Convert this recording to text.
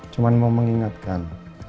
cuma mau mengingatkan